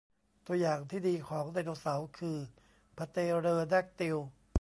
ตัวอย่างที่ดีของไดโนเสาร์คือพเตเรอแดกติล